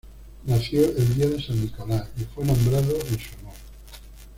Nació el día de San Nicolás y fue nombrado en su honor.